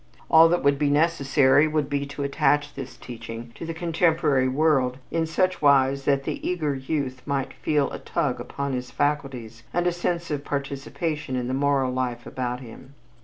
All that would be necessary would be to attach this teaching to the contemporary world in such wise that the eager youth might feel a tug upon his faculties, and a sense of participation in the moral life about him.